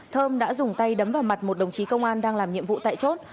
thơm đã dùng tay đấm vào mặt một đồng chí công an đang làm nhiệm vụ tại chốt